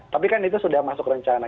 tapi kan itu sudah masuk rencana